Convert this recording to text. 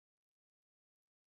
এটা কি সারোগেসি ক্লিনিকের লোকটা?